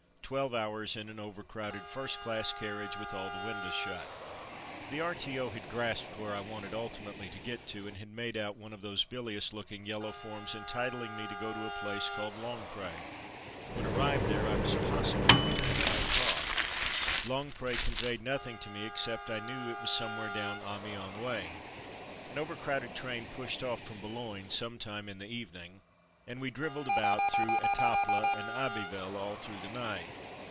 Twelve hours in an overcrowded first class carriage with all the windows shut. The R.T.O. had grasped where I wanted ultimately to get to, and had made out one of those bilious looking yellow forms entitling me to go to a place called Longpre. When arrived there I was possibly to be met by a Trains and Tribulations 91 car. Longpre conveyed nothing to me, ex cept that I knew it was somewhere down Amiens way. An overcrowded train pushed off from Boulogne some time in the evening, and we drivelled about through Etaples and Abbe ville all through the night.